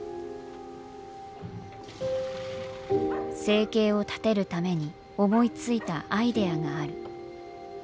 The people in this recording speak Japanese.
生計を立てるために思いついたアイデアがある。